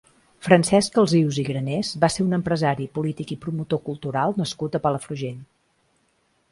Francesc Alsius i Granés va ser un empresari, polític i promotor cultural nascut a Palafrugell.